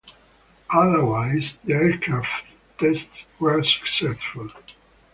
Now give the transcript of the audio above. Otherwise, the aircraft tests were successful.